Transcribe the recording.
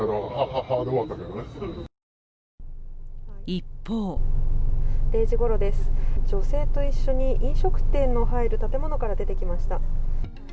一方０時ごろです、女性と一緒に飲食店の入る建物から出てきました。